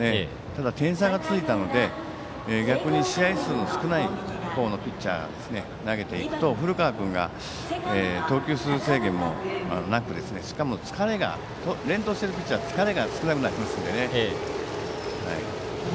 ただ、点差がついたので逆に試合数の少ない方のピッチャーが投げていくと古川君が投球数制限もなく連投しているピッチャーは疲れが少なくなりますのでね。